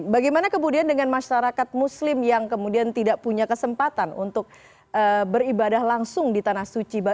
bagaimana kemudian dengan masyarakat muslim yang kemudian tidak punya kesempatan untuk beribadah langsung di tanah suci